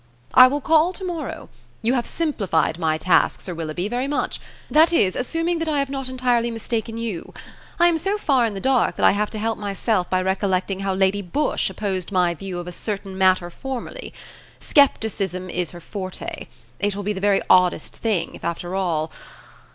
"I will call to morrow. You have simplified my task, Sir Willoughby, very much; that is, assuming that I have not entirely mistaken you. I am so far in the dark that I have to help myself by recollecting how Lady Busshe opposed my view of a certain matter formerly. Scepticism is her forte. It will be the very oddest thing if after all